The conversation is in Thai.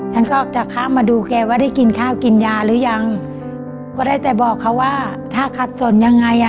ฉันก็จะข้ามมาดูแกว่าได้กินข้าวกินยาหรือยังก็ได้แต่บอกเขาว่าถ้าขัดสนยังไงอ่ะ